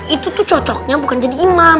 itu tuh cocoknya bukan jadi imam